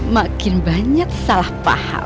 makin banyak salah paham